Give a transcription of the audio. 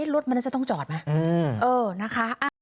รถมันจะต้องจอดไหมเออนะคะ